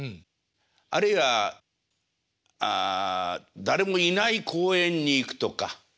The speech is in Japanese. あるいは誰もいない公園に行くとか。